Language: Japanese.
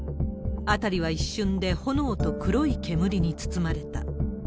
辺りは一瞬で炎と黒い煙に包まれた。